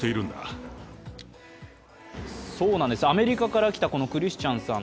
アメリカから来たクリスチャンさん。